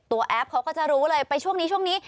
แอปเขาก็จะรู้เลยไปช่วงนี้ช่วงนี้